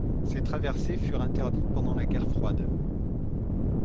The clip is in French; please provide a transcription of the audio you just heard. Ces traversées furent interdites pendant la Guerre froide.